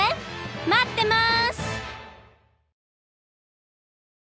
まってます！